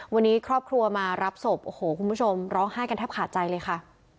วันนี้ครอบครัวมารับศพโอ้โหคุณผู้ชมร้องไห้กันแทบขาดใจเลยค่ะ